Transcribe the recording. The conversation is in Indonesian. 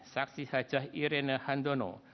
saksi hajah irene handono